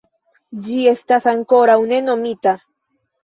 Ĝi estas ankoraŭ ne nomita.